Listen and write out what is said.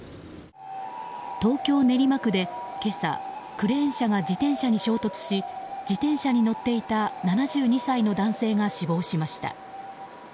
東京・練馬区で今朝クレーン車が自転車に衝突し自転車に乗っていた７２歳の男性が死亡しました。